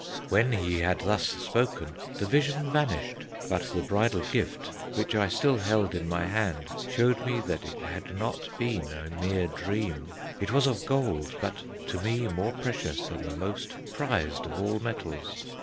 "When he had thus spoken, the vision vanished, but the bridal gift which I still held in my hand shewed me that it had not been a mere dream. It was of gold, but to me more precious than the most prized of all metals.